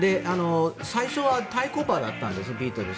最初は対抗馬だったんですビートルズ。